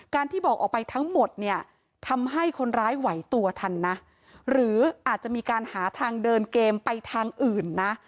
ที่บอกออกไปทั้งหมดเนี่ยทำให้คนร้ายไหวตัวทันนะหรืออาจจะมีการหาทางเดินเกมไปทางอื่นนะ